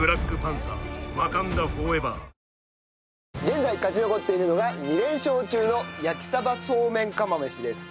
現在勝ち残っているのが２連勝中の焼鯖そうめん釜飯です。